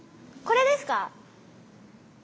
「これ」です。